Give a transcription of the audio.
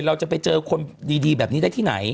เราจะไปเจอคนดีแบบนี้ได้ที่ไหน